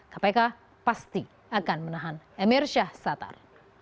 kpk pasti akan menahan emir syahsatar